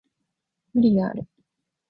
無理がある